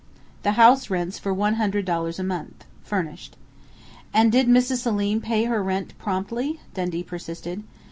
"The house rents for one hundred dollars a month furnished." "And did Mrs. Selim pay her rent promptly?" Dundee persisted.